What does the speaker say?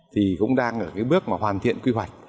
thì cũng đang ở cái bước mà hoàn thiện quy hoạch